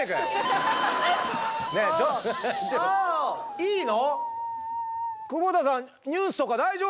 いいの？